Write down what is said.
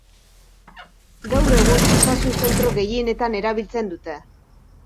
Gaur egun osasun zentro gehienetan erabiltzen dute.